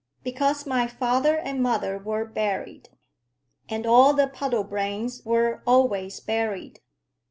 "Because my father and mother were buried. And all the Puddlebranes were always buried.